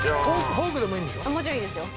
フォークでもいいんでしょ？